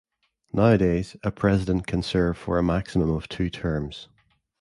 Nowadays, a President can serve for a maximum of two terms.